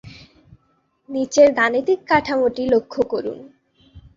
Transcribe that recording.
নিচের গাণিতিক কাঠামোটি লক্ষ্য করুন।